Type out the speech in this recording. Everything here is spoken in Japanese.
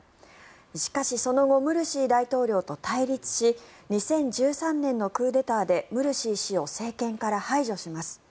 しかし、その後ムルシー大統領と対立し２０１３年のクーデターでムルシー氏を政権から排除します。